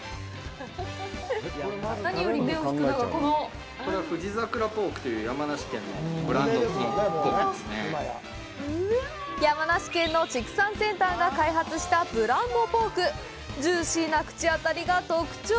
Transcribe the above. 何より目を引くのがこの山梨県の畜産センターが開発したブランドポークジューシーな口当たりが特徴